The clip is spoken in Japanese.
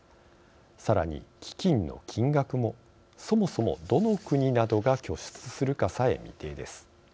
さらに基金の金額もそもそも、どの国などが拠出するかさえ未定です。